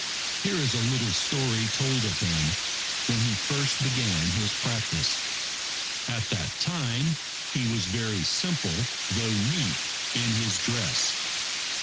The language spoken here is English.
Here is a little story told of him when he first began his practice. At that time, he was very simple though neat, in his dress.